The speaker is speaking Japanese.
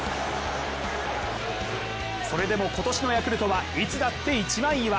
それでも今年のヤクルトはいつだって一枚岩。